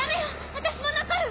私も残る！